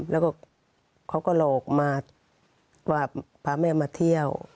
แล้วก็เขาก็หลอกมาว่าพาแม่มาเที่ยว